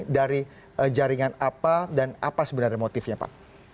dari jaringan apa dan apa sebenarnya motifnya pak